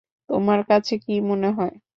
তোমার কাছে কী মনে হয়?